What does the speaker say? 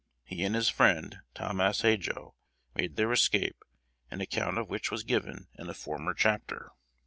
He and his friend Talmas Hadjo made their escape, an account of which was given in a former chapter.